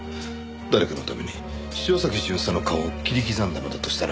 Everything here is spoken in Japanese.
誰かのために潮崎巡査の顔を切り刻んだのだとしたら。